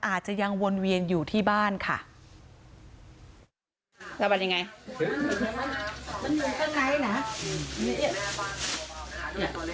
อาจจะยังวนเวียนอยู่ที่บ้านค่ะแล้วมันยังไง